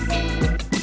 terima kasih bang